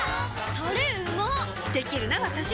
タレうまっできるなわたし！